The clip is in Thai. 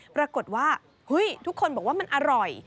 ปรากฏว่าเฮ้ยทุกคนบอกว่ามันอร่อย